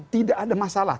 tidak ada masalah